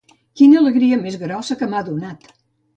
Quina alegria més grossa que m'ha donat!